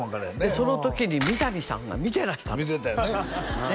その時に三谷さんが見てらしたの見てたよね